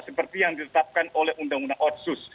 seperti yang ditetapkan oleh undang undang otsus